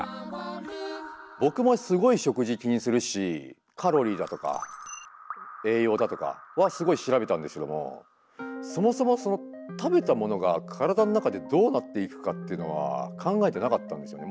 僕もすごい食事気にするしカロリーだとか栄養だとかはすごい調べたんですけどもそもそも食べたものが体の中でどうなっていくかっていうのは考えてなかったんですよね。